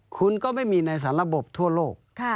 คุณก็ไม่มีในสารบทั่วโลก